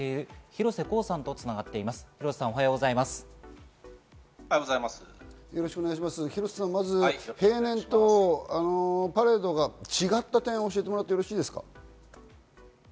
廣瀬さん、まず例年とパレードが違った点を教えてもらってよろしいですか？